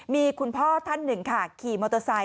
มีคุณพ่อท่านหนึ่งค่ะขี่มอเตอร์ไซค